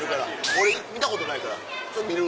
俺見たことないからそれ見る。